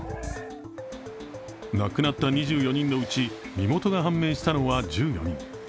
亡くなった２４人のうち身元が判明したのは１４人。